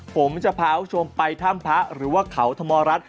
ผมจะพาคุณผู้ชมไปท่ำพะหรือว่าเข่าธมรรดิ์